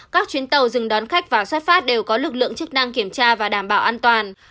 các chuyến tàu dừng đón khách vào xuất phát đều có lực lượng chức năng kiểm tra và đảm bảo an toàn